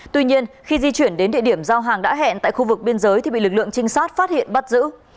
tuy nhiên khi di chuyển đến địa điểm giao hàng đã hẹn tại khu vực biên giới thì bị lực lượng trinh sát phát hiện bắt giữ